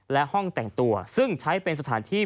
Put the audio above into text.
และห้องแต่งตัวซึ่งใช้เป็นสถานที่